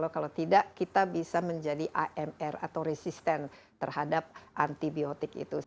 kalau tidak kita bisa menjadi amr atau resisten terhadap antibiotik itu